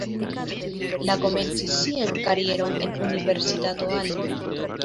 Li komencis sian karieron en Universitato Al.